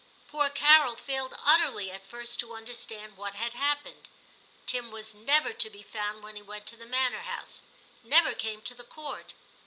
Poor Carol failed utterly at first to under stand what had happened Tim was never to be found when he went to the manor house, never came to the Court.